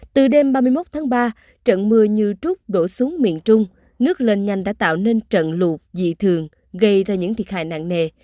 từ đêm ba mươi một tháng ba trận mưa như trúc đổ xuống miền trung nước lên nhanh đã tạo nên trận lụt dị thường gây ra những thiệt hại nặng nề